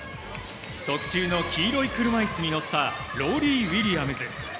特注の黄色い車いすに乗ったローリー・ウィリアムズ。